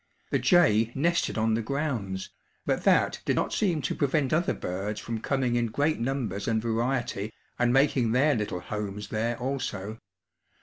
The jay nested on the grounds, but that did not seem to prevent other birds from coming in great numbers and variety and making their little homes there also.